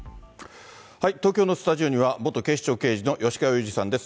東京のスタジオには元警視庁刑事の吉川祐二さんです。